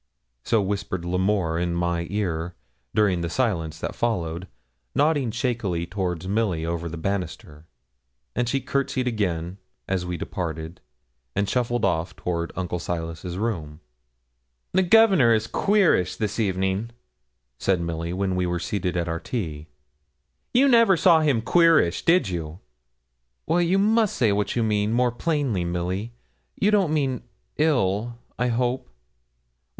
So whispered L'Amour in my ear, during the silence that followed, nodding shakily toward Milly over the banister, and she courtesied again as we departed, and shuffled off toward Uncle Silas's room. 'The Governor is queerish this evening,' said Milly, when we were seated at our tea. 'You never saw him queerish, did you?' 'You must say what you mean, more plainly, Milly. You don't mean ill, I hope?' 'Well!